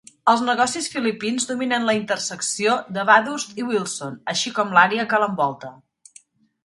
Els negocis filipins dominen la intersecció de Bathurst i Wilson, així com l'àrea que l'envolta.